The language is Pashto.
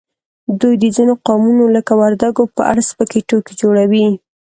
دوی د ځینو قومونو لکه وردګو په اړه سپکې ټوکې جوړوي